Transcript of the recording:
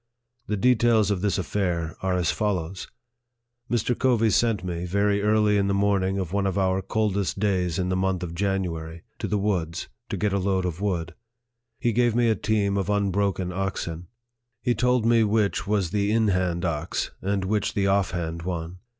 The details of this affair are as follows : Mr. Covey sent me, very early in the morning of one of our coldest days in the month of January, to the woods, to get a load of wood. He gave me a team of unbroken oxen. He told me which was the in hand ox, and which the off hand one.